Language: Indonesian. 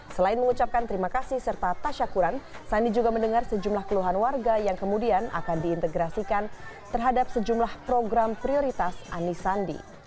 selain mengucapkan terima kasih serta tasyakuran sandi juga mendengar sejumlah keluhan warga yang kemudian akan diintegrasikan terhadap sejumlah program prioritas anies sandi